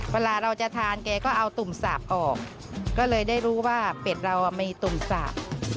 เวลาเราจะทานแกก็เอาตุ่มสาบออกก็เลยได้รู้ว่าเป็ดเรามีตุ่มสาบ